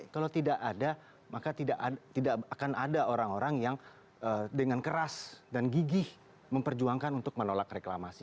kalau tidak ada maka tidak akan ada orang orang yang dengan keras dan gigih memperjuangkan untuk menolak reklamasi